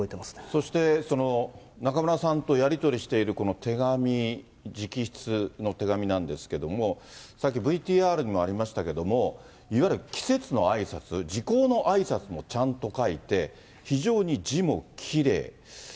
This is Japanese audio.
そして、中村さんとやり取りしている手紙、直筆の手紙なんですけれども、さっき、ＶＴＲにもありましたけれども、いわゆる季節のあいさつ、時候のあいさつもちゃんと書いて、非常に字もきれい。